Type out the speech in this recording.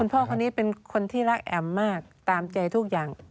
พ่อคนนี้เป็นคนที่รักแอมมากตามใจทุกอย่าง